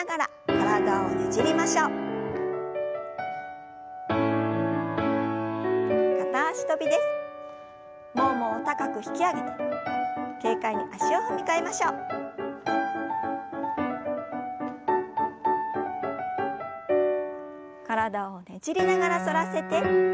体をねじりながら反らせて斜め下へ。